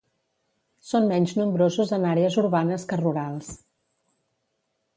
Són menys nombrosos en àrees urbanes que rurals.